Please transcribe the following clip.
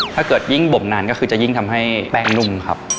ถ้าเกิดยิ่งบ่มนานก็คือจะยิ่งทำให้แป้งนุ่มครับ